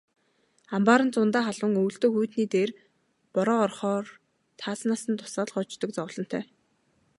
Амбаар нь зундаа халуун, өвөлдөө хүйтний дээр бороо орохоор таазнаас нь дусаал гоождог зовлонтой.